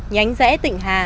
nhánh rẽ tịnh hà